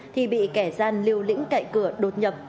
thì bị kẻ gian liều lĩnh cậy cửa đột nhập